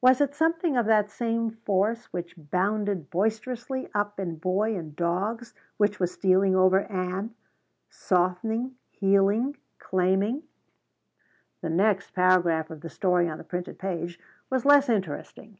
Was it something of that same force which bounded boisterously up in boy and dogs which was stealing over Ann softening, healing, claiming? The next paragraph of the story on the printed page was less interesting.